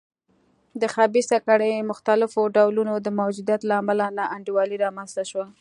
د خبیثه کړۍ مختلفو ډولونو د موجودیت له امله نا انډولي رامنځته شوه.